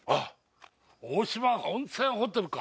大島温泉ホテルか。